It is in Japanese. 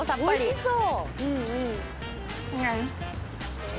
おいしそう。